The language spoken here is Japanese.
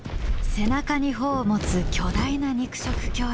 背中に帆を持つ巨大な肉食恐竜。